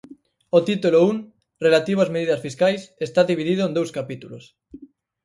O título un, relativo ás medidas fiscais, está dividido en dous capítulos.